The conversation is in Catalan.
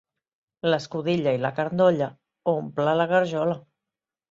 L'escudella i la carn d'olla omple la garjola.